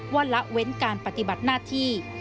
ละเว้นการปฏิบัติหน้าที่